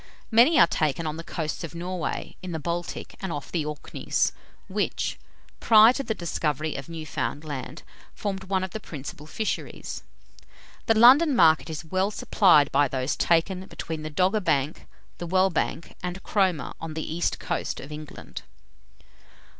Many are taken on the coasts of Norway, in the Baltic, and off the Orkneys, which, prior to the discovery of Newfoundland, formed one of the principal fisheries. The London market is supplied by those taken between the Dogger Bank, the Well Bank, and Cromer, on the east coast of England.